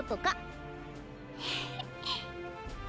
フフッ。